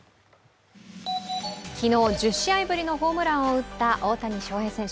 昨日１０試合ぶりのホームランを打った大谷翔平選手。